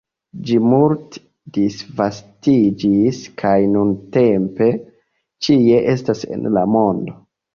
Ĝi multe disvastiĝis kaj nuntempe ĉie estas en la mondo.